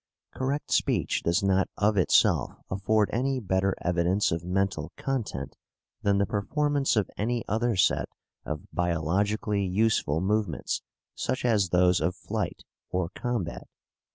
Correct speech does not of itself afford any better evidence of mental content than the performance of any other set of biologically useful movements, such as those of flight or combat.